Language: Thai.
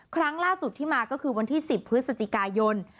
ครั้งล่าสุดที่มาก็คือวันที่๑๐พฤศจิกายน